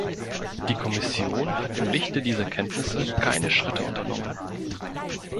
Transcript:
Die Kommission hat im Lichte dieser Kenntnisse keine Schritte unternommen.